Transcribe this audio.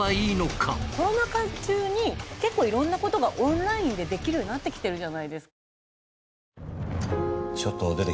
コロナ禍中に結構いろんな事がオンラインでできるようになってきてるじゃないですか。